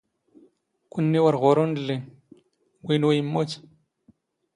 ⴽⵯⵏⵏⵉ ⵓⵔ ⵖⵓⵔⵓⵏ ⵍⵍⵉⵏ, ⵡⵉⵏⵓ ⵉⵎⵎⵓⵜ.